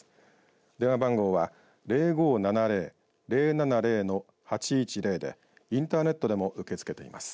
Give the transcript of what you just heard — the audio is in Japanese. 電話番号は０５７０‐０７０‐８１０でインターネットでも受け付けています。